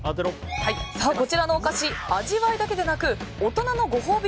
こちらのお菓子味わいだけでなく大人のご褒美